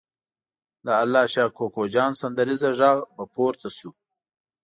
د الله شا کوکو جان سندریزه غږ به پورته شو.